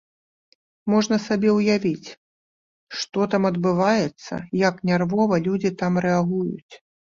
Можна сабе ўявіць, што там адбываецца, як нервова людзі там рэагуюць.